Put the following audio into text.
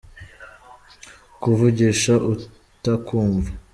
kuvugisha utakumva.